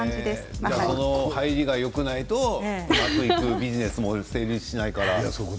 入りがよくないとうまくいくビジネスも成立しないから。